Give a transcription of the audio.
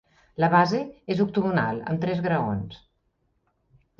La base és octogonal amb tres graons.